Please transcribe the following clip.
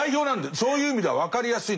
そういう意味では分かりやすいんだよね。